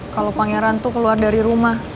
kalau pangeran tuh keluar dari rumah